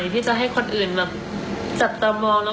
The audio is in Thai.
ที่จะให้คนอื่นแบบจับตามอง